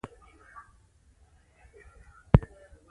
فرګوسن په دې اړه له څه ویلو ډډه وکړل.